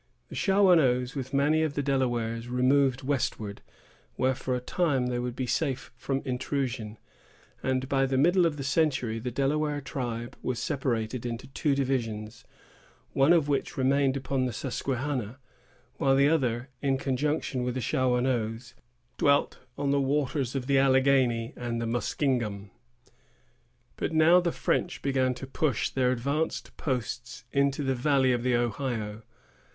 The Shawanoes, with many of the Delawares, removed westward, where for a time they would be safe from intrusion; and by the middle of the century, the Delaware tribe was separated into two divisions, one of which remained upon the Susquehanna, while the other, in conjunction with the Shawanoes, dwelt on the waters of the Alleghany and the Muskingum. But now the French began to push their advanced posts into the valley of the Ohio.